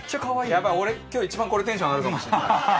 俺今日一番これテンション上がるかもしれない。